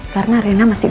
karena rena masih